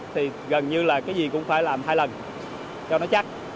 thì gần như là cái gì cũng phải làm hai lần cho nó chắc